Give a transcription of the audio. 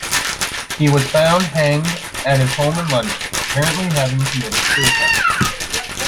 He was found hanged at his home in London, apparently having committed suicide.